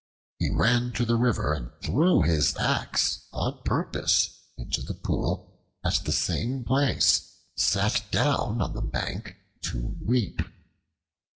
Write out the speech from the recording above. He ran to the river and threw his axe on purpose into the pool at the same place, and sat down on the bank to weep.